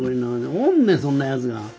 おんねんそんなやつが。